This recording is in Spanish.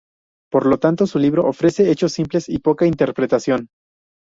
Por lo tanto su libro ofrece hechos simples y poca interpretación.